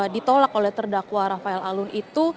ditolak oleh terdakwa rafael alun itu